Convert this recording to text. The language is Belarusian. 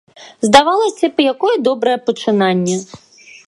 Здавалася б, якое добрае пачынанне.